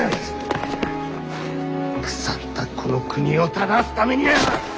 腐ったこの国を正すために！